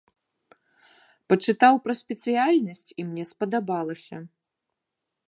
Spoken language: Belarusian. Пачытаў пра спецыяльнасць і мне спадабалася.